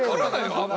あんまり。